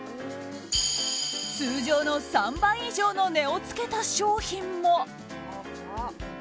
通常の３倍以上の値を付けた商品も。